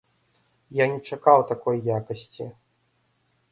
Я не чакаў такой якасці!